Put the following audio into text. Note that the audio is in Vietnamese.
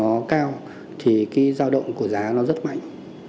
nó cao thì cái giao động của giá nó rất mạnh